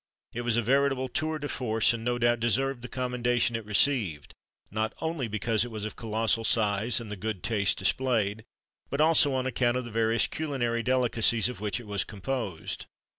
It was a veritable tour de force, and, no doubt deserved the commendation it received, not only because it was of colossal size, and the good taste displayed, but also on account of the various culinary delicacies of which it was composed.